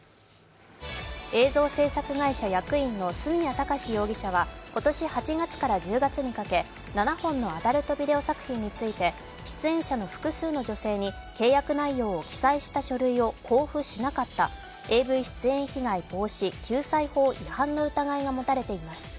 映像制作会社役員の角谷貴史容疑者は今年８月から１０月にかけ７本のアダルトビデオ作品について出演者の複数の女性に契約内容を記載した書類を交付しなかったＡＶ出演被害防止・救済法違反の疑いが持たれています。